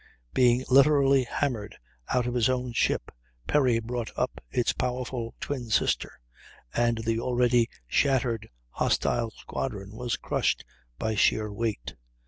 Being literally hammered out of his own ship, Perry brought up its powerful twin sister, and the already shattered hostile squadron was crushed by sheer weight.